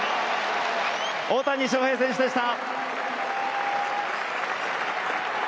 大谷翔平選手でした！